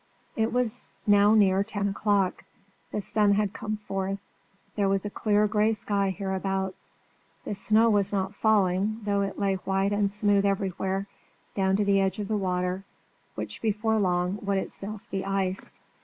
It was now near ten o'clock. The sun had come forth; there was a clear gray sky hereabouts; the snow was not falling, though it lay white and smooth everywhere, down to the edge of the water, which before long would itself be ice.